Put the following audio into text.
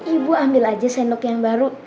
ibu ambil aja sendok yang baru